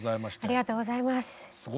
ありがとうございます。